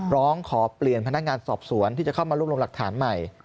ร้องขอเปลี่ยนพนักงานสอบสวนที่จะเข้ามารวบรวมหลักฐานใหม่